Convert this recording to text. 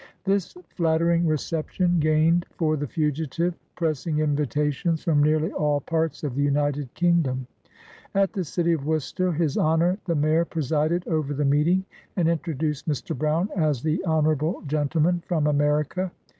This flattering reception gained for the fugitive pressing invitations from nearly all parts of the United Kingdom. At the city of Worcester, His Honor the Mayor presided over the meeting, and introduced Mr. Brown as " the honorable gentleman from America."